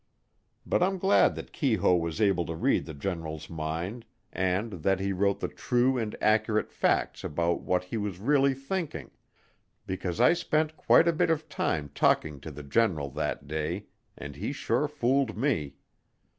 But I'm glad that Keyhoe was able to read the General's mind and that he wrote the true and accurate facts about what he was really thinking because I spent quite a bit of time talking to the General that day and he sure fooled me.